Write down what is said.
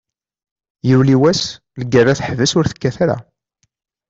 Yuli wass, lgerra teḥbes ur tekkat ara.